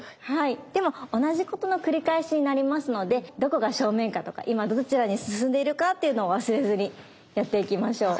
でも同じことの繰り返しになりますのでどこが正面かとか今どちらに進んでいるかっていうのを忘れずにやっていきましょう。